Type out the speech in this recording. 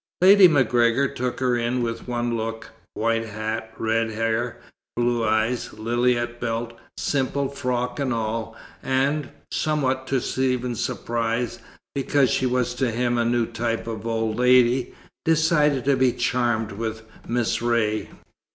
Lady MacGregor took her in with one look; white hat, red hair, blue eyes, lily at belt, simple frock and all, and somewhat to Stephen's surprise, because she was to him a new type of old lady decided to be charmed with Miss Ray.